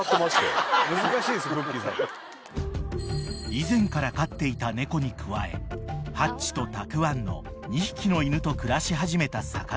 ［以前から飼っていた猫に加えハッチとたくわんの２匹の犬と暮らし始めた坂上］